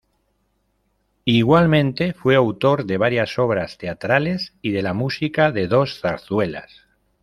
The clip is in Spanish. Igualmente fue autor de varias obras teatrales y de la música de dos zarzuelas.